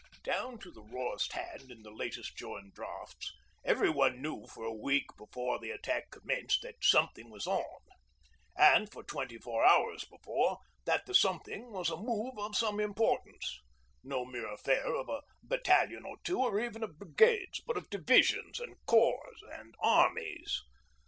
Down to the rawest hand in the latest joined drafts, everyone knew for a week before the attack commenced that 'something was on,' and for twenty four hours before that the 'something' was a move of some importance, no mere affair of a battalion or two, or even of brigades, but of divisions and corps and armies.